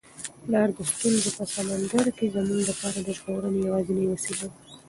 پلار د ستونزو په سمندر کي زموږ لپاره د ژغورنې یوازینۍ وسیله ده.